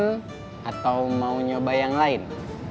mau pesen atau mau nyoba yang lain